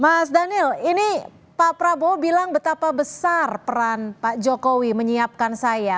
mas daniel ini pak prabowo bilang betapa besar peran pak jokowi menyiapkan saya